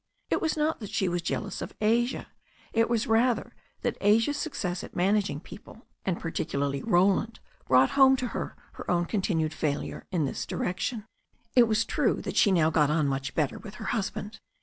It was not that she was jealotis of Asia; it was rather that Asia's success at managing people, and ^^ttlc^a^is^xV) 220 THE STORY OF A NEW ZEALAND RIVER Roland, brought home to her her own continued failure in this direction. It was true that she now got on much bet ter with her husband.